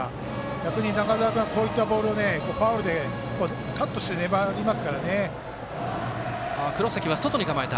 逆に中澤君はこういったボールをファウルでカットして粘りますからね。